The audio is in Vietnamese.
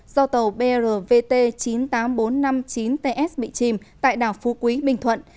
do tàu brvt chín mươi tám nghìn bốn trăm năm mươi chín ts bị chìm tại đảo phú quý bình thuận